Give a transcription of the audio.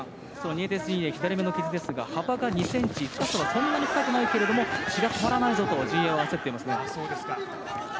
ニエテス陣営左目の傷ですが、幅が２ｃｍ、深さはそんなに深くないけれども、血がとまらないぞと陣営は焦っていますね。